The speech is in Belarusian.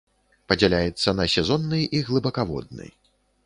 Падзяляецца на сезонны і глыбакаводны.